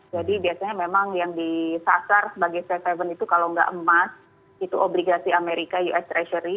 jadi biasanya memang yang disasar sebagai safe haven itu kalau nggak emas itu obligasi amerika us treasury